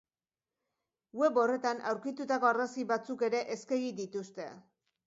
Web horretan aurkitutako argazki batzuk ere eskegi dituzte.